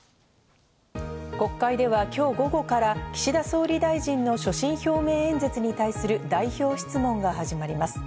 国会では今日午後から岸田総理大臣の所信表明演説に対する代表質問が始まります。